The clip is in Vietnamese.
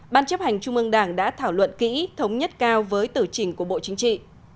ban chấp hành trung ương đảng đã thảo luận kỹ thống nhất cao với tử trình của bộ chính trị